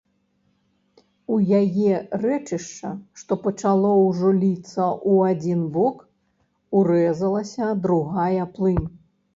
У яе рэчышча, што пачало ўжо ліцца ў адзін бок, урэзалася другая плынь.